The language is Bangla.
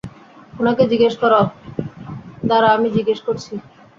উনাকে জিজ্ঞেস কর, - দাঁড়া আমি জিজ্ঞাসা করছি।